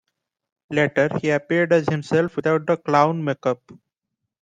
Later, he appeared as himself without the clown makeup.